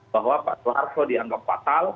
bahwa pak soeharto dianggap fatal